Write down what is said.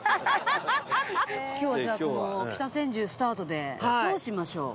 今日はじゃあこの北千住スタートでどうしましょう？